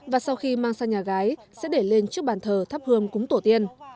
và sau khi mang sang nhà gái sẽ để lên trước bàn thờ thắp hương cúng tổ tiên